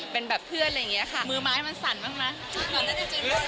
เป็นแบบเพื่อนอะไรแบบนี้ค่ะมือไม้มันสั่นมากมั้ย